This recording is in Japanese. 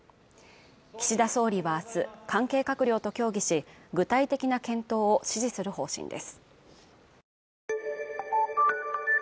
岸田総理はあす関係閣僚と協議し具体的な検討を指示する方針です